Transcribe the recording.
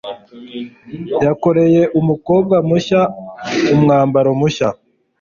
Yakoreye umukobwa mushya umwambaro mushya.